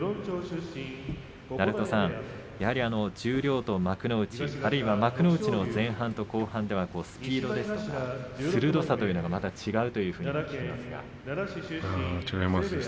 鳴戸さん、やはり十両と幕内あるいは幕内の前半と後半ではスピードですとか鋭さというのがまた違うというふうに聞きますが。